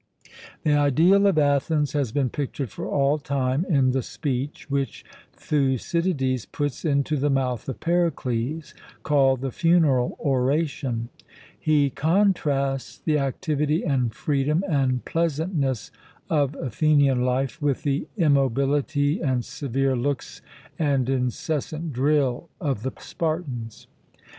The ideal of Athens has been pictured for all time in the speech which Thucydides puts into the mouth of Pericles, called the Funeral Oration. He contrasts the activity and freedom and pleasantness of Athenian life with the immobility and severe looks and incessant drill of the Spartans.